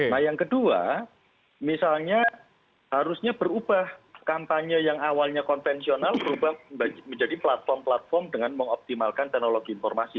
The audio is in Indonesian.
nah yang kedua misalnya harusnya berubah kampanye yang awalnya konvensional berubah menjadi platform platform dengan mengoptimalkan teknologi informasi